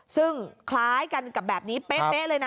ซึ่งคล้ายกันกับแบบนี้เป๊ะเลยนะ